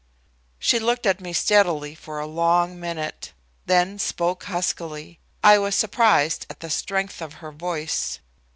She looked at me steadily for a long minute, then spoke huskily I was surprised at the strength of her voice.